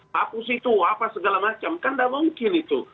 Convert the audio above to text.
hapus itu apa segala macam kan tidak mungkin itu